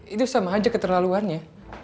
itu sama aja keterlaluannya